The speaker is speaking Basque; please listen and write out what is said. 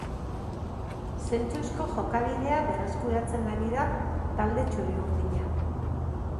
Zentzuzko jokabidea berreskuratzen ari da talde txuri-urdina.